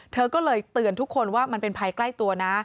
เธอก็เลยเตือนทุกคนว่ามันเป็นภัยใกล้ตัวนะ